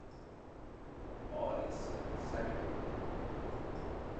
Boris Sagredo